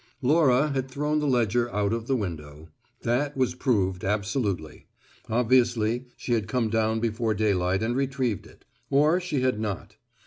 Laura had thrown the ledger out of the window; that was proved absolutely. Obviously, she had come down before daylight and retrieved it. Or, she had not.